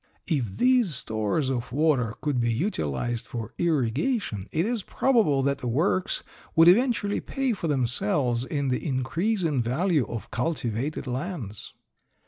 If these stores of water could be utilized for irrigation it is probable that the works would eventually pay for themselves in the increase in value of cultivated lands.